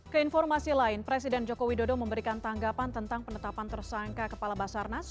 keinformasi lain presiden joko widodo memberikan tanggapan tentang penetapan tersangka kepala basarnas